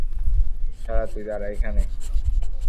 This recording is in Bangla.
শালা তুই দাঁড়া এখানে!